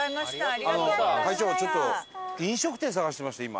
あのちょっと飲食店探してまして今。